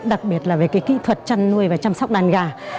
đặc biệt là về cái kỹ thuật chăn nuôi và chăm sóc đàn gà